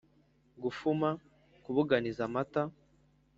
gufuma, ku buganiza amata